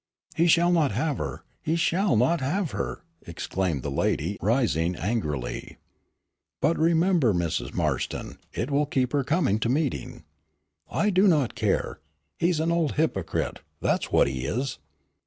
"He shall not have her, he shall not have her!" exclaimed the lady, rising angrily. "But remember, Mrs. Marston, it will keep her coming to meeting." "I do not care; he is an old hypocrite, that is what he is."